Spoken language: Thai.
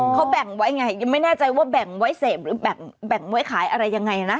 เขาแบ่งไว้ไงยังไม่แน่ใจว่าแบ่งไว้เสพหรือแบ่งไว้ขายอะไรยังไงนะ